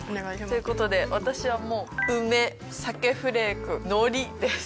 という事で私はもう梅鮭フレーク海苔です。